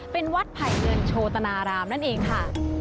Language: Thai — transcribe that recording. เป็นวัดไผ่เงินโชตนารามนั่นเองค่ะ